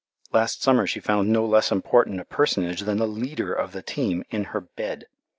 Last summer she found no less important a personage than the leader of the team in her bed.